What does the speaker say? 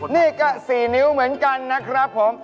นี่ก็๔นิ้วเหมือนกันนะครับผม